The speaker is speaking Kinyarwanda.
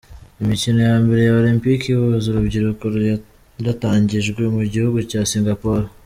Imikino ya mbere ya Olympic ihuza urubyiruko yaratangijwe mu gihugu cya Singapore.